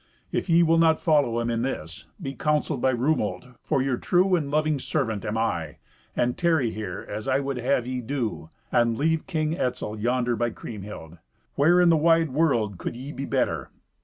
If ye will not follow him in this, be counselled by Rumolt (for your true and loving servant am I) and tarry here as I would have ye do, and leave King Etzel yonder by Kriemhild. Where in the wide world could ye be better?